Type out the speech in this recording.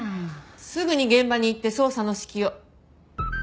すぐに現場に行って捜査の指揮を。